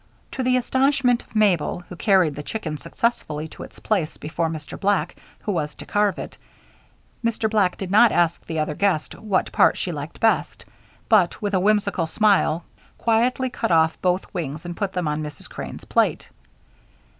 To the astonishment of Mabel, who carried the chicken successfully to its place before Mr. Black, who was to carve it, Mr. Black did not ask the other guest what part she liked best, but, with a whimsical smile, quietly cut off both wings and put them on Mrs. Crane's plate.